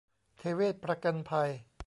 เทเวศน์ประกันภัย